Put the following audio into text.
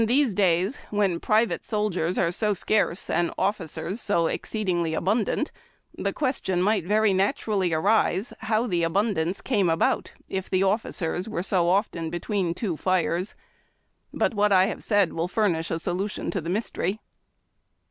lu tlicse days, when pri vate soldiers are so scarce and officers so exceedingly abundant, the question might very naturally arise how the abundance came al)out if the offi cers were so often between two fires ; but what I have said will furnish a solution to the mystery.